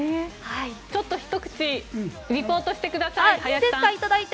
ちょっとひと口リポートしてください。